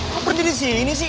kenapa berdiri disini sih